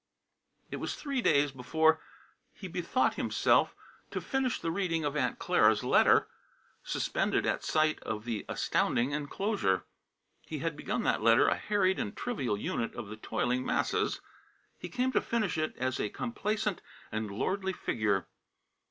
It was three days before he bethought himself to finish the reading of Aunt Clara's letter, suspended at sight of the astounding enclosure. He had begun that letter a harried and trivial unit of the toiling masses. He came to finish it a complacent and lordly figure!